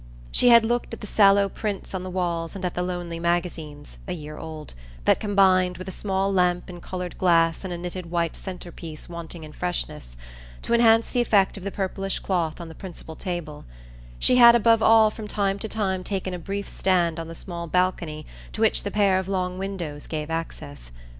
She had looked at the sallow prints on the walls and at the lonely magazine, a year old, that combined, with a small lamp in coloured glass and a knitted white centre piece wanting in freshness, to enhance the effect of the purplish cloth on the principal table; she had above all from time to time taken a brief stand on the small balcony to which the pair of long windows gave access.